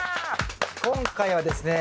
今回はですね